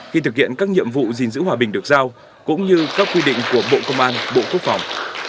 khi thực hiện các nhiệm vụ gìn giữ hòa bình được giao cũng như các quy định của bộ công an bộ quốc phòng